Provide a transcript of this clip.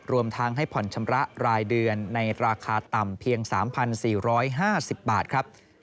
รวมทั้งให้ผ่อนชำระรายเดือนในราคาต่ำเพียง๓๔๕๐บาทครับ